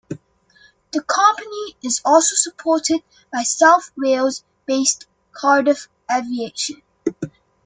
The company is also supported by South Wales-based Cardiff Aviation.